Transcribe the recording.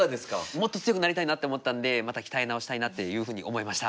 もっと強くなりたいなって思ったんでまた鍛え直したいなっていうふうに思いました。